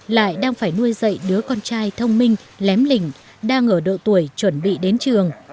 lại đang phải nuôi dậy đứa con trai thông minh lém lình đang ở độ tuổi chuẩn bị đến trường